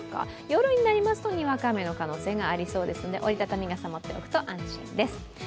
夜になりますとにわか雨の可能性がありますので、折り畳み傘を持っておくと安心です。